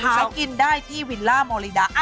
เค้ากินได้ที่วิลล์ลามอริดา